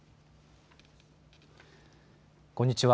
こんにちは。